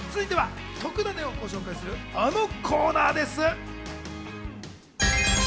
続いては特ダネをご紹介するあのコーナーです。